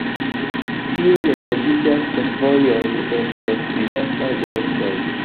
Tie renkontiĝas ĉefvojoj el diversaj direktoj.